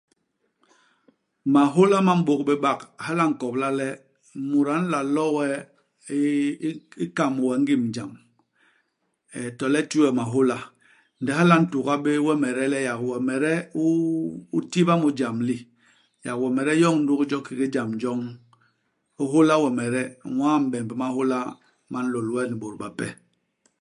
Mahôla ma m'bôk bé bak, hala a nkobla le, mut a nla lo we i i ikam we ingim jam, eeh to le iti we mahôla. Ndi hala a ntuga bé wemede le yak wemede u u tiba mu ijam li, yak wemede u yoñ ndugi jo kiki jam joñ, u hôla wemede, inwaa u mbemb mahôla ma nlôl we ni bôt bape.